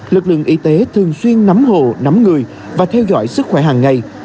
lực lượng y tế thường xuyên nắm hồ nắm người và theo dõi sức khỏe hàng ngày